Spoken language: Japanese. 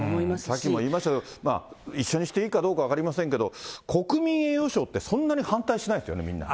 さっきも言いましたけど、一緒にしていいかどうか分かりませんけど、国民栄誉賞って、そんなに反対しないですよね、みんな。